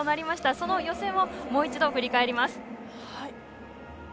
その予選をもう一度振り返ります。